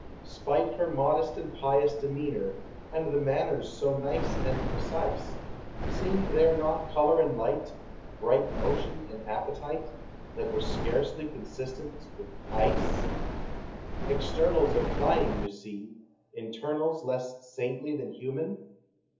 Spite her modest and pious demeanor, And the manners so nice and precise, Seemed there not color and light, Bright motion and appetite, That were scarcely consistent with ice? Externals implying, you see, Internals less saintly than human?